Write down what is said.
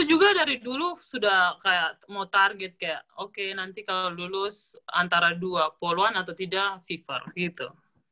saya juga dari dulu sudah kayak mau target kayak oke nanti kalau lulus antara dua puluh an atau tidak fiver gitu